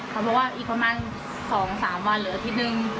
เขาบอกว่าอีกประมาณ๒๓วันเหลืออาทิตย์หนึ่ง